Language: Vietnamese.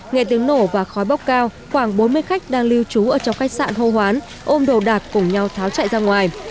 nghe tiếng nổ và khói bốc cao khoảng bốn mươi khách đang lưu trú ở trong khách sạn hô hoán ôm đồ đạc cùng nhau tháo chạy ra ngoài